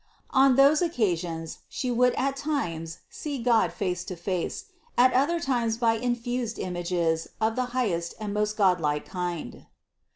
On those occasions She would at times see God face to face, at other times by infused images of the highest and most godlike kind.